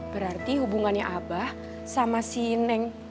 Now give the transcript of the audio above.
berarti hubungannya aba sama si neng